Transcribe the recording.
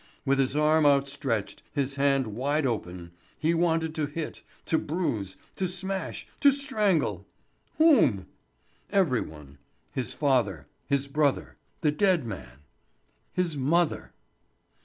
With his arm outstretched, his hand wide open, he wanted to hit, to bruise, to smash, to strangle! Whom? Every one; his father, his brother, the dead man, his mother!